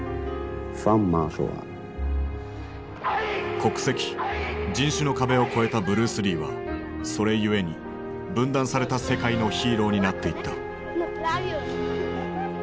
国籍人種の壁を越えたブルース・リーはそれゆえに分断された世界のヒーローになっていった。